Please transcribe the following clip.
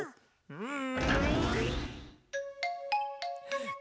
うん？